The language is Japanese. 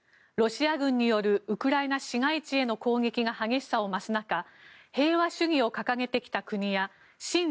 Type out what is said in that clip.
ロシア軍によるウクライナ市街地への攻撃が激しさを増す中平和主義を掲げてきた国や親